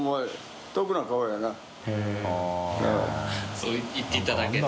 そう言っていただけて。